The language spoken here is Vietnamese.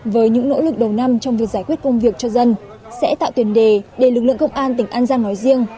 với những nỗ lực đầu năm trong việc giải quyết công việc cho dân sẽ tạo tiền đề để lực lượng công an tỉnh an giang nói riêng